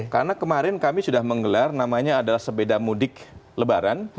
karena kemarin kami sudah menggelar namanya adalah sebeda mudik lebaran